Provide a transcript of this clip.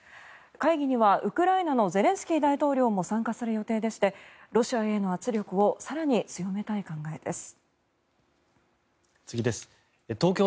会議にはウクライナのゼレンスキー大統領も参加する予定でロシアへの圧力を更に強めたい考えです。